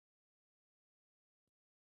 زه د وطن خاورې ته د سرو زرو ارزښت ورکوم